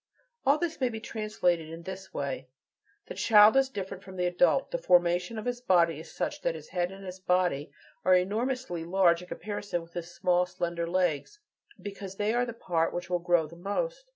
All this may be translated in this way: "The child is different from the adult. The formation of his body is such that his head and his body are enormously large in comparison with his small, slender legs, because they are the part which will grow most.